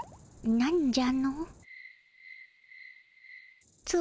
なんじゃ？